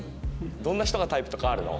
どんな人がタイプとかあるの？